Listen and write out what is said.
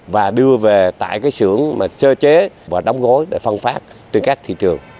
và đưa về tại sưởng sơ chế và đóng gối để phân phát trên các thị trường